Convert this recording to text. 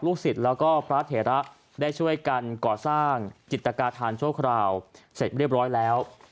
ศิษย์แล้วก็พระเถระได้ช่วยกันก่อสร้างจิตกาธานชั่วคราวเสร็จเรียบร้อยแล้ว